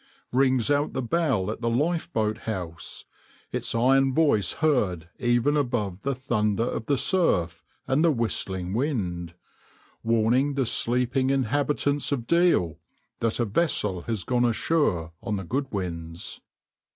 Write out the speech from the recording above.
rings out the bell at the lifeboat house, its iron voice heard even above the thunder of the surf and the whistling wind, warning the sleeping inhabitants of Deal that a vessel has gone ashore on the Goodwins.